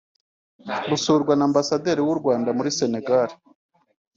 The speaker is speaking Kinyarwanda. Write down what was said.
Gusurwa na Ambasaderi w’u Rwanda muri Sénégal’